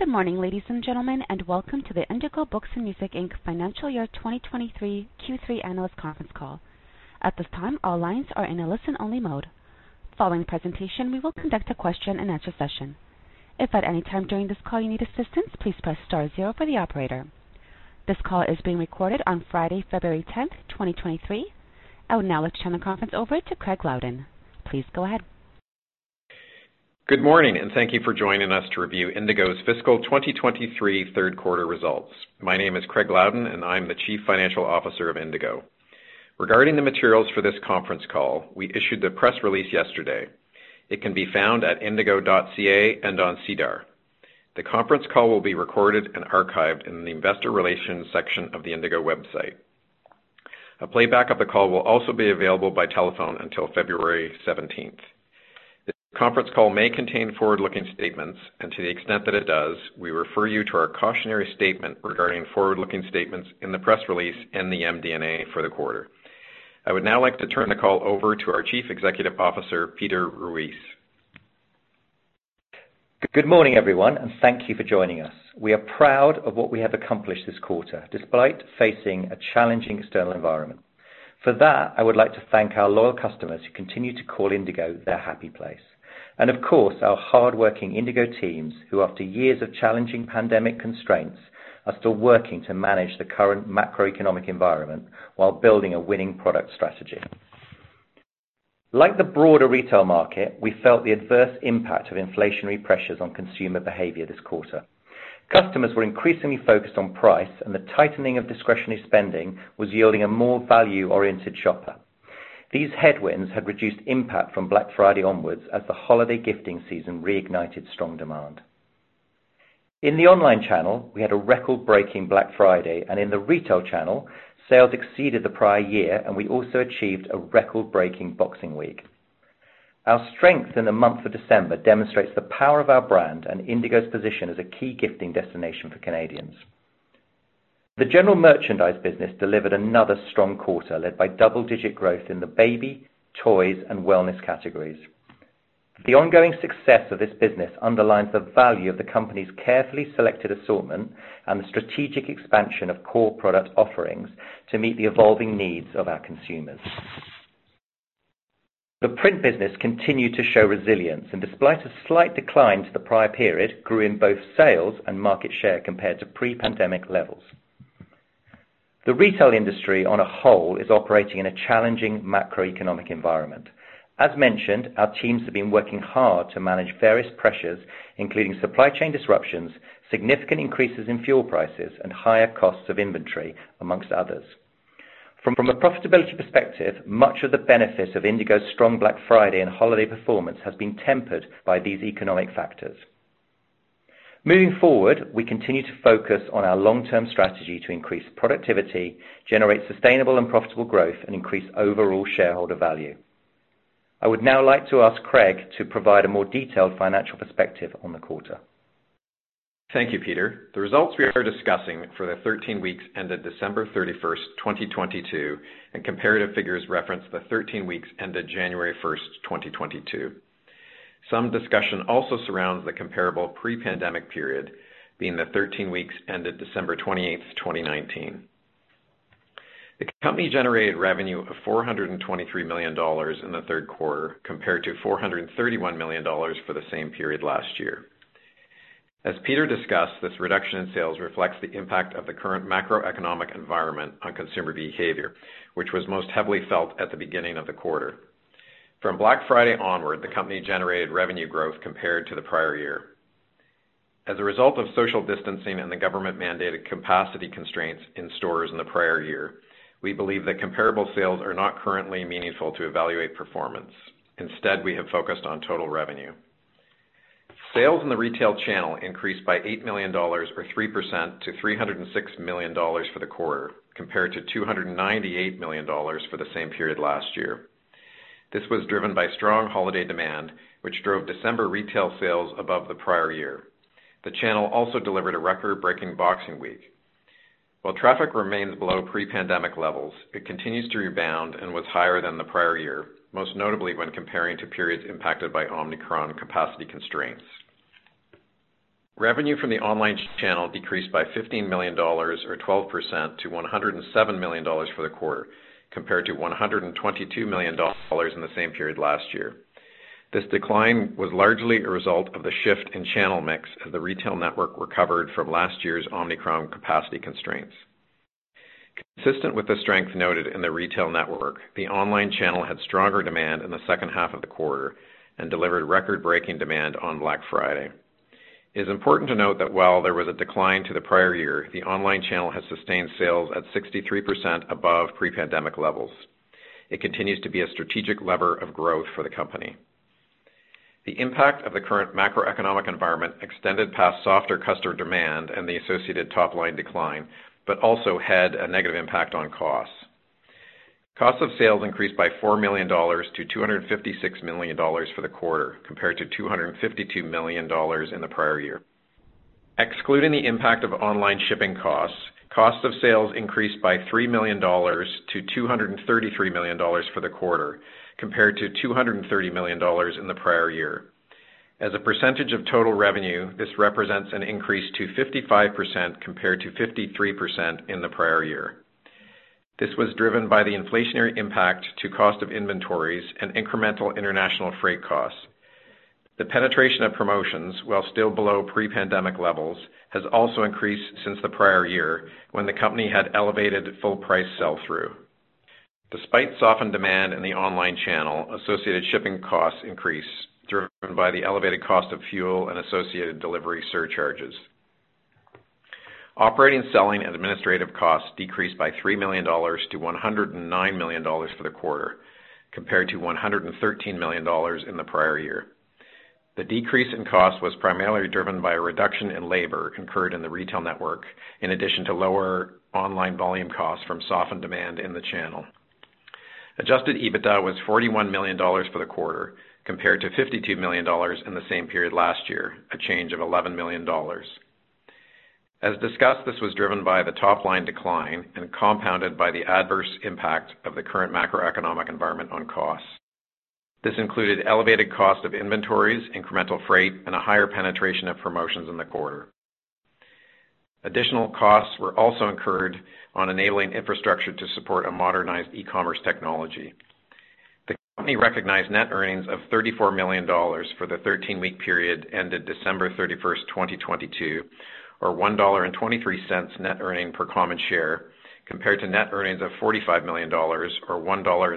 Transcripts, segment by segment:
Good morning, ladies and gentlemen, and welcome to the Indigo Books & Music Inc. Financial Year 2023 Q3 Analyst Conference Call. At this time, all lines are in a listen-only mode. Following presentation, we will conduct a question-and-answer session. If at any time during this call you need assistance, please press star zero for the operator. This call is being recorded on Friday, February 10th, 2023. I would now like to turn the conference over to Craig Loudon. Please go ahead. Good morning, and thank you for joining us to review Indigo's fiscal 2023 third quarter results. My name is Craig Loudon, and I'm the Chief Financial Officer of Indigo. Regarding the materials for this conference call, we issued the press release yesterday. It can be found at indigo.ca and on SEDAR. The conference call will be recorded and archived in the investor relations section of the Indigo website. A playback of the call will also be available by telephone until February 17th. This conference call may contain forward-looking statements, and to the extent that it does, we refer you to our cautionary statement regarding forward-looking statements in the press release and the MD&A for the quarter. I would now like to turn the call over to our Chief Executive Officer, Peter Ruis. Good morning, everyone. Thank you for joining us. We are proud of what we have accomplished this quarter, despite facing a challenging external environment. For that, I would like to thank our loyal customers who continue to call Indigo their happy place. Of course, our hardworking Indigo teams, who after years of challenging pandemic constraints, are still working to manage the current macroeconomic environment while building a winning product strategy. Like the broader retail market, we felt the adverse impact of inflationary pressures on consumer behavior this quarter. Customers were increasingly focused on price, and the tightening of discretionary spending was yielding a more value-oriented shopper. These headwinds had reduced impact from Black Friday onwards as the holiday gifting season reignited strong demand. In the online channel, we had a record-breaking Black Friday, and in the retail channel, sales exceeded the prior year, and we also achieved a record-breaking Boxing Week. Our strength in the month of December demonstrates the power of our brand and Indigo's position as a key gifting destination for Canadians. The general merchandise business delivered another strong quarter, led by double-digit growth in the baby, toys, and wellness categories. The ongoing success of this business underlines the value of the company's carefully selected assortment and the strategic expansion of core product offerings to meet the evolving needs of our consumers. The print business continued to show resilience, and despite a slight decline to the prior period, grew in both sales and market share compared to pre-pandemic levels. The retail industry on a whole is operating in a challenging macroeconomic environment. As mentioned, our teams have been working hard to manage various pressures, including supply chain disruptions, significant increases in fuel prices, and higher costs of inventory, amongst others. From a profitability perspective, much of the benefits of Indigo's strong Black Friday and holiday performance has been tempered by these economic factors. Moving forward, we continue to focus on our long-term strategy to increase productivity, generate sustainable and profitable growth, and increase overall shareholder value. I would now like to ask Craig to provide a more detailed financial perspective on the quarter. Thank you, Peter. The results we are discussing for the 13 weeks ended December 31st, 2022, and comparative figures reference the 13 weeks ended January 1st, 2022. Some discussion also surrounds the comparable pre-pandemic period being the 13 weeks ended December 28th, 2019. The company generated revenue of 423 million dollars in the third quarter, compared to 431 million dollars for the same period last year. As Peter discussed, this reduction in sales reflects the impact of the current macroeconomic environment on consumer behavior, which was most heavily felt at the beginning of the quarter. From Black Friday onward, the company generated revenue growth compared to the prior year. As a result of social distancing and the government-mandated capacity constraints in stores in the prior year, we believe that comparable sales are not currently meaningful to evaluate performance. Instead, we have focused on total revenue. Sales in the retail channel increased by 8 million dollars or 3% to 306 million dollars for the quarter, compared to 298 million dollars for the same period last year. This was driven by strong holiday demand, which drove December retail sales above the prior year. The channel also delivered a record-breaking Boxing Week. While traffic remains below pre-pandemic levels, it continues to rebound and was higher than the prior year, most notably when comparing to periods impacted by Omicron capacity constraints. Revenue from the online channel decreased by 15 million dollars or 12% to 107 million dollars for the quarter, compared to 122 million dollars in the same period last year. This decline was largely a result of the shift in channel mix as the retail network recovered from last year's Omicron capacity constraints. Consistent with the strength noted in the retail network, the online channel had stronger demand in the second half of the quarter and delivered record-breaking demand on Black Friday. It is important to note that while there was a decline to the prior year, the online channel has sustained sales at 63% above pre-pandemic levels. It continues to be a strategic lever of growth for the company. The impact of the current macroeconomic environment extended past softer customer demand and the associated top-line decline, but also had a negative impact on costs. Cost of sales increased by 4 million dollars to 256 million dollars for the quarter, compared to 252 million dollars in the prior year. Excluding the impact of online shipping costs, cost of sales increased by 3 million dollars to 233 million dollars for the quarter, compared to 230 million dollars in the prior year. As a percentage of total revenue, this represents an increase to 55% compared to 53% in the prior year. This was driven by the inflationary impact to cost of inventories and incremental international freight costs. The penetration of promotions, while still below pre-pandemic levels, has also increased since the prior year when the company had elevated full price sell-through. Despite softened demand in the online channel, associated shipping costs increased, driven by the elevated cost of fuel and associated delivery surcharges. Operating, selling, and administrative costs decreased by 3 million dollars to 109 million dollars for the quarter, compared to 113 million dollars in the prior year. The decrease in cost was primarily driven by a reduction in labor incurred in the retail network, in addition to lower online volume costs from softened demand in the channel. Adjusted EBITDA was 41 million dollars for the quarter, compared to 52 million dollars in the same period last year, a change of 11 million dollars. As discussed, this was driven by the top-line decline and compounded by the adverse impact of the current macroeconomic environment on costs. This included elevated cost of inventories, incremental freight, and a higher penetration of promotions in the quarter. Additional costs were also incurred on enabling infrastructure to support a modernized e-commerce technology. The company recognized net earnings of 34 million dollars for the 13-week period ended December 31st, 2022, or 1.23 dollar net earning per common share, compared to net earnings of 45 million dollars or 1.62 dollar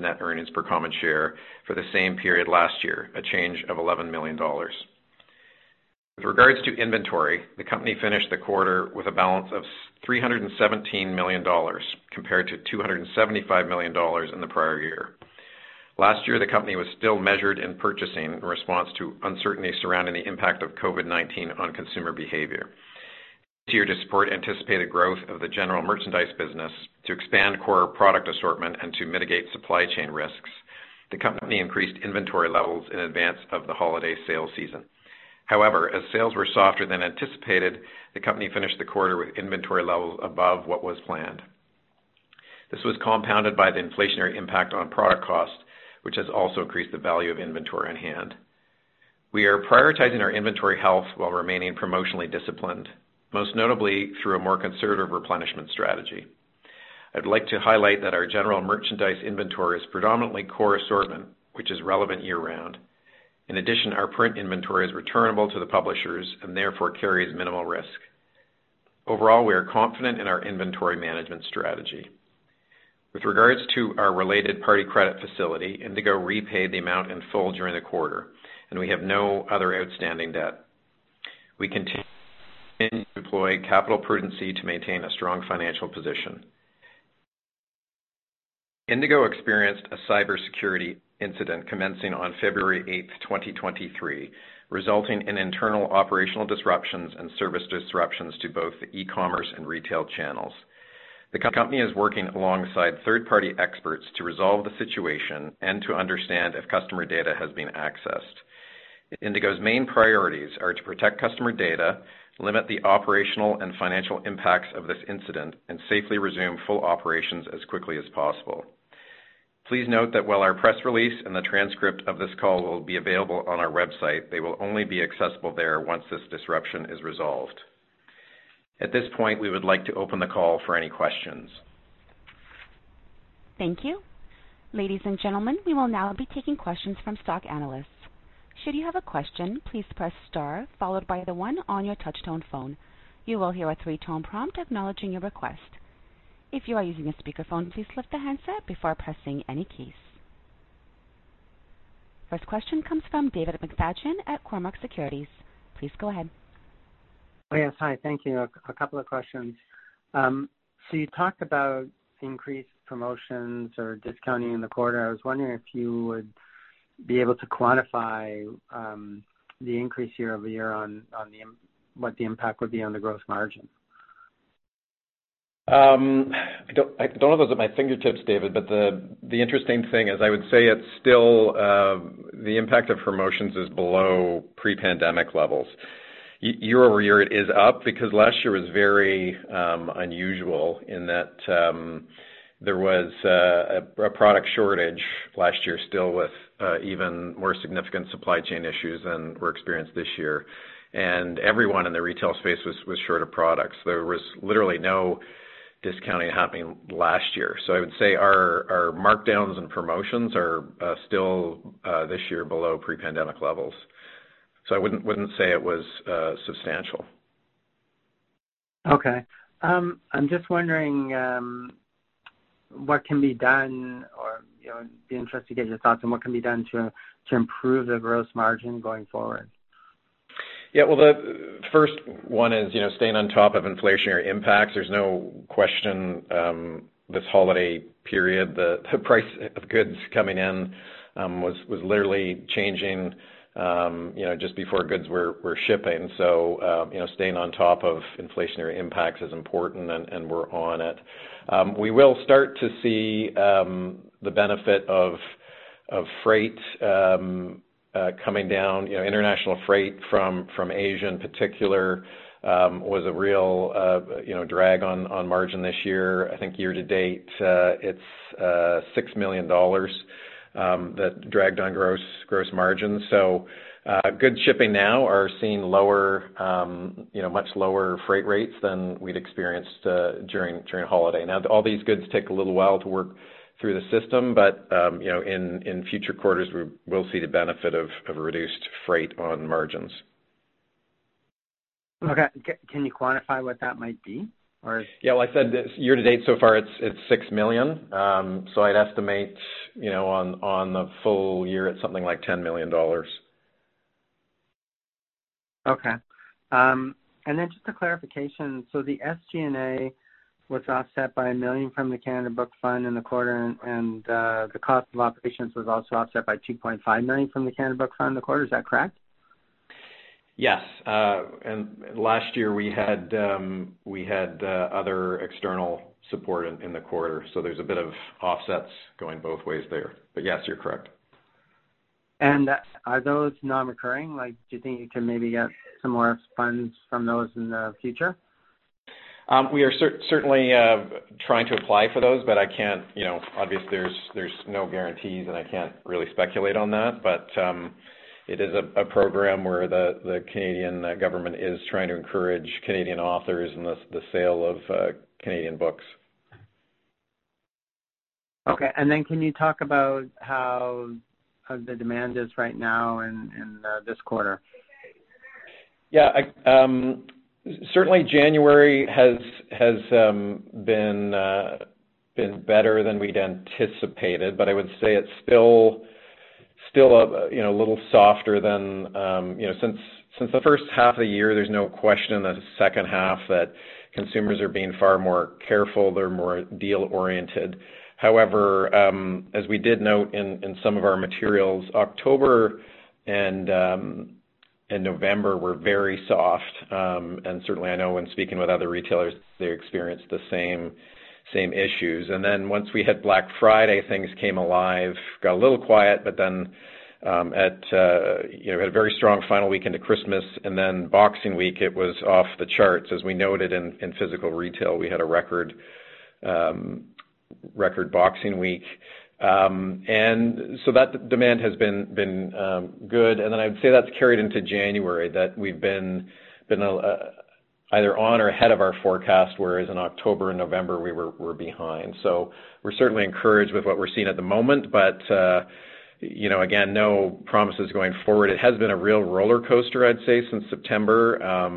net earnings per common share for the same period last year, a change of 11 million dollars. With regards to inventory, the company finished the quarter with a balance of 317 million dollars compared to 275 million dollars in the prior year. Last year, the company was still measured in purchasing in response to uncertainty surrounding the impact of COVID-19 on consumer behavior. This year to support anticipated growth of the general merchandise business, to expand core product assortment, and to mitigate supply chain risks, the company increased inventory levels in advance of the holiday sales season. However, as sales were softer than anticipated, the company finished the quarter with inventory levels above what was planned. This was compounded by the inflationary impact on product cost, which has also increased the value of inventory on-hand. We are prioritizing our inventory health while remaining promotionally disciplined, most notably through a more conservative replenishment strategy. I'd like to highlight that our general merchandise inventory is predominantly core assortment, which is relevant year-round. In addition, our print inventory is returnable to the publishers and therefore carries minimal risk. Overall, we are confident in our inventory management strategy. With regards to our related party credit facility, Indigo repaid the amount in full during the quarter, and we have no other outstanding debt. We continue to deploy capital prudency to maintain a strong financial position. Indigo experienced a cybersecurity incident commencing on February 8th, 2023, resulting in internal operational disruptions and service disruptions to both the e-commerce and retail channels. The company is working alongside third-party experts to resolve the situation and to understand if customer data has been accessed. Indigo's main priorities are to protect customer data, limit the operational and financial impacts of this incident, and safely resume full operations as quickly as possible. Please note that while our press release and the transcript of this call will be available on our website, they will only be accessible there once this disruption is resolved. At this point, we would like to open the call for any questions. Thank you. Ladies and gentlemen, we will now be taking questions from stock analysts. Should you have a question, please press star followed by the 1 on your touch-tone phone. You will hear a three-tone prompt acknowledging your request. If you are using a speakerphone, please lift the handset before pressing any keys. First question comes from David McFadgen at Cormark Securities. Please go ahead. Oh, yes. Hi. Thank you. A couple of questions. You talked about increased promotions or discounting in the quarter. I was wondering if you would be able to quantify the increase year-over-year on what the impact would be on the gross margin. I don't have those at my fingertips, David, but the interesting thing is, I would say it's still the impact of promotions is below pre-pandemic levels. Year over year it is up because last year was very unusual in that there was a product shortage last year still with even more significant supply chain issues than were experienced this year. Everyone in the retail space was short of products. There was literally no discounting happening last year. I would say our markdowns and promotions are still this year below pre-pandemic levels. I wouldn't say it was substantial. Okay. I'm just wondering, what can be done or, you know, be interested to get your thoughts on what can be done to improve the gross margin going forward? Yeah. Well, the first one is, you know, staying on top of inflationary impacts. There's no question, this holiday period, the price of goods coming in was literally changing, you know, just before goods were shipping. you know, staying on top of inflationary impacts is important, and we're on it. We will start to see the benefit of freight coming down, you know, international freight from Asia in particular was a real, you know, drag on margin this year. I think year-to-date, it's 6 million dollars that dragged on gross margin. Good shipping now are seeing lower, you know, much lower freight rates than we'd experienced during holiday. All these goods take a little while to work through the system, but, you know, in future quarters, we will see the benefit of a reduced freight on margins. Okay. Can you quantify what that might be? Yeah, well, I said this, year-to-date so far it's 6 million. I'd estimate, you know, on the full year, it's something like 10 million dollars. Okay. Just a clarification. The SG&A was offset by 1 million from the Canada Book Fund in the quarter, and the cost of operations was also offset by 2.5 million from the Canada Book Fund in the quarter. Is that correct? Yes. Last year we had other external support in the quarter, so there's a bit of offsets going both ways there. Yes, you're correct. Are those non-recurring? Like, do you think you can maybe get some more funds from those in the future? We are certainly trying to apply for those, but I can't. You know, obviously, there's no guarantees, and I can't really speculate on that. It is a program where the Canadian government is trying to encourage Canadian authors and the sale of Canadian books. Okay. can you talk about how the demand is right now in this quarter? Yeah, I. Certainly January has been better than we'd anticipated, but I would say it's still a, you know, a little softer than, you know, since the first half of the year, there's no question in the second half that consumers are being far more careful. They're more deal-oriented. However, as we did note in some of our materials, October and November were very soft. Certainly I know when speaking with other retailers, they experienced the same issues. Once we had Black Friday, things came alive. Got a little quiet, at, you know, had a very strong final weekend to Christmas, Boxing Week it was off the charts. As we noted in physical retail, we had a record Boxing Week. That demand has been good. I'd say that's carried into January, that we've been either on or ahead of our forecast, whereas in October and November we're behind. We're certainly encouraged with what we're seeing at the moment, but, you know, again, no promises going forward. It has been a real roller coaster, I'd say, since September.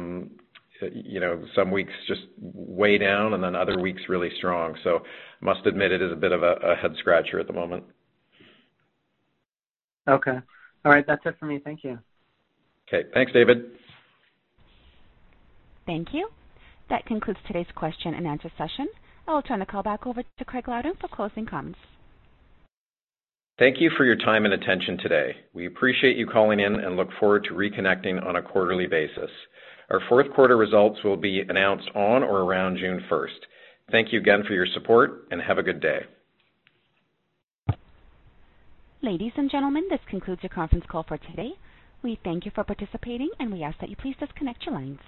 You know, some weeks just way down and then other weeks really strong. Must admit it is a bit of a head scratcher at the moment. Okay. All right. That's it for me. Thank you. Okay. Thanks, David. Thank you. That concludes today's question and answer session. I'll turn the call back over to Craig Loudon for closing comments. Thank you for your time and attention today. We appreciate you calling in and look forward to reconnecting on a quarterly basis. Our fourth quarter results will be announced on or around June first. Thank you again for your support and have a good day. Ladies and gentlemen, this concludes your conference call for today. We thank you for participating and we ask that you please disconnect your lines.